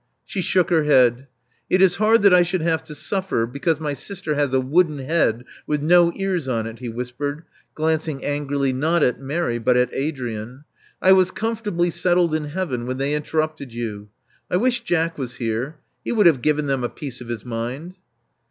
She shook her head. It is hard that I should have to suffer because my sister has a wooden head with no ears on it," he wliispered, glancing angrily, not at Mary, but at Adrian. I was comfortably settled in heaven when they interrupted you. I wish Jack was here. He would have given them a piece of his mind."